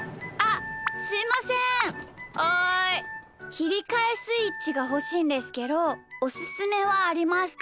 きりかえスイッチがほしいんですけどおすすめはありますか？